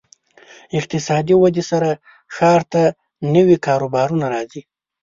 اقتصادي ودې سره ښار ته نوي کاروبارونه راځي.